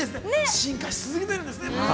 進化し続けるんですね。